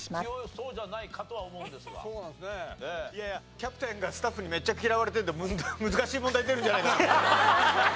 キャプテンがスタッフにめっちゃ嫌われてるので難しい問題出るんじゃないかな。